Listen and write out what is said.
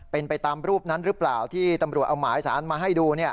เป็นไปตามรูปนั้นหรือเปล่าที่ตำรวจเอาหมายสารมาให้ดู